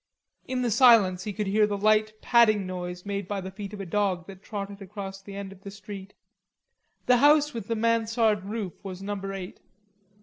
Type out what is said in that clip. In the silence he could hear the light padding noise made by the feet of a dog that trotted across the end of the street. The house with the mansard roof was number eight.